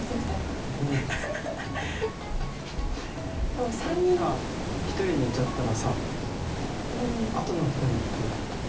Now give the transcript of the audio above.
ここにさ１人寝ちゃったらさあとの２人って。